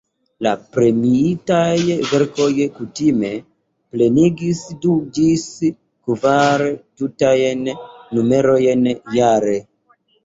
La premiitaj verkoj kutime plenigis du ĝis kvar tutajn numerojn jare.